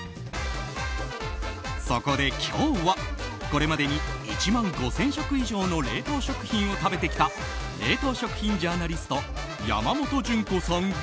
そこで今日は、これまでに１万５０００食以上の冷凍食品を食べてきた冷凍食品ジャーナリスト山本純子さん